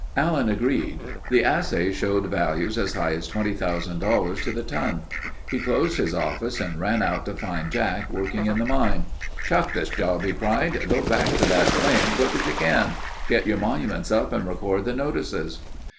Allen agreed. The assay showed values as high as $20,000 to the ton. He closed his office and ran out to find Jack working in the mine. "Chuck this job," he cried. "Go back to that claim quick as you can. Get your monuments up and record the notices."